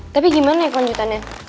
tapi gimana ya konjutannya